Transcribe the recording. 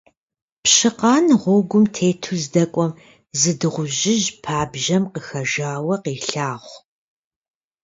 Пщыкъан гъуэгум тету здэкӀуэм зы дыгъужьыжь пабжьэм къыхэжауэ къелъагъу.